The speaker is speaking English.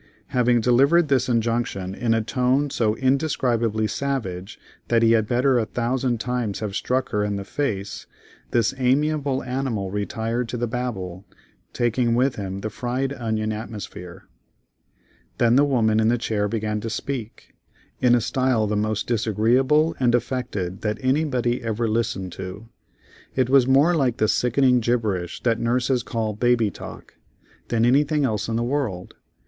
Having delivered this injunction in a tone so indescribably savage that he had better a thousand times have struck her in the face, this amiable animal retired to the Babel, taking with him the fried onion atmosphere. Then the woman in the chair began to speak, in a style the most disagreeable and affected that anybody ever listened to. It was more like that sickening gibberish that nurses call "baby talk," than anything else in the world.